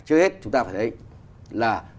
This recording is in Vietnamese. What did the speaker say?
trước hết chúng ta phải thấy là